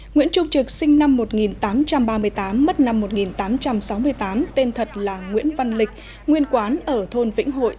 nguyễn trung trực sinh năm một nghìn tám trăm ba mươi tám mất năm một nghìn tám trăm sáu mươi tám tên thật là nguyễn văn lịch nguyên quán ở thôn vĩnh hội